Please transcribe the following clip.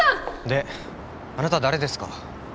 であなた誰ですか？